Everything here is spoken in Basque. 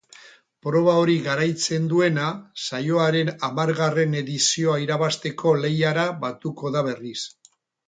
Proba hori garaitzen duena saioaren hamargarren edizioa irabazteko lehiara batuko da berriz.